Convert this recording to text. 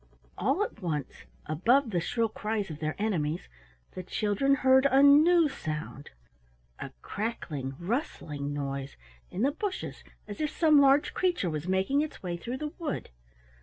All at once, above the shrill cries of their enemies, the children heard a new sound, a crackling rustling noise in the bushes as if some large creature was making its way through the wood.